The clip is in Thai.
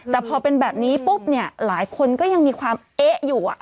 แต่พอเป็นแบบนี้ปุ๊บเนี่ยหลายคนก็ยังมีความเอ๊ะอยู่